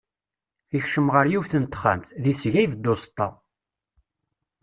Yekcem ɣer yiwet n texxamt, deg tesga ibedd uẓeṭṭa.